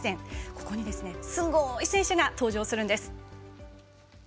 ここにすごい選手が登場するんです。